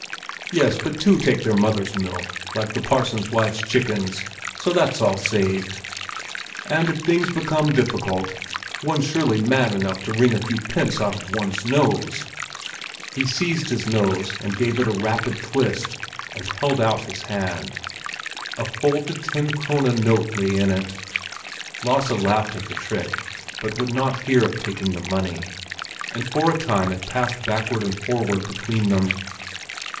"Yes; but two take their mother's milk, like the parson's wife's chickens; so that's all saved. And if things became difficult, one's surely man enough to wring a few pence out of one's nose?" He seized his nose and gave it a rapid twist, and held out his hand. A folded ten krone note lay in it. Lasse laughed at the trick, but would not hear of taking the money; and for a time it passed backward and forward between them.